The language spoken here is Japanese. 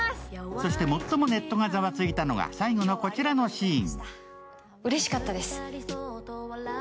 そして最もネットがザワついたのは最後のこちらのシーン。